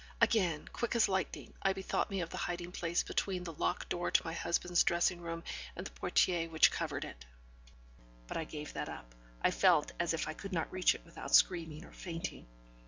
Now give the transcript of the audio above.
Again, quick as lightning, I bethought me of the hiding place between the locked door to my husband's dressing room and the portière which covered it; but I gave that up, I felt as if I could not reach it without screaming or fainting.